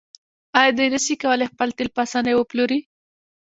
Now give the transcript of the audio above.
آیا دوی نشي کولی خپل تیل په اسانۍ وپلوري؟